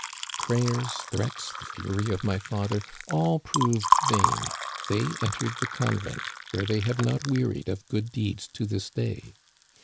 Prayers, threats, the fury of my father — all proved vain; they entered the convent, where they have not wearied of good deeds to this day.